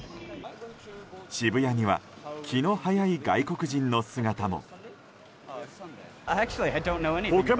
渋谷には気の早い外国人の姿も。